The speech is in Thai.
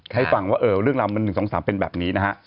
ให้ฟังว่าเรื่องราวมัน๑๒๓เป็นแบบนี้นะฮะ